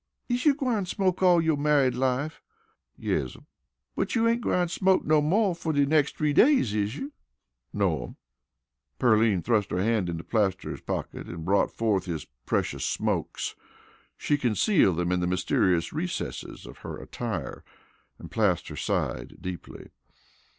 "Is you gwine smoke all yo' married life?" "Yes'm." "But you ain't gwine smoke no mo' fer de nex' three days, is you?" "No'm." Pearline thrust her hand into Plaster's pocket and brought forth his precious smokes. She concealed them in the mysterious recesses of her attire and Plaster sighed deeply.